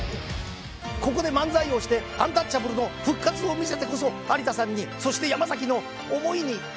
ここで漫才をしてアンタッチャブルの復活を見せてこそ有田さんにそして山崎の思いに返せるんだ！